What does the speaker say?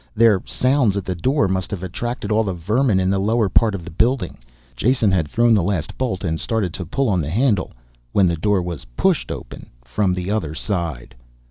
Their sounds at the door must have attracted all the vermin in the lower part of the building. Jason had thrown the last bolt and started to pull on the handle when the door was pushed open from the other side.